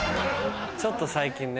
ちょっと最近ね。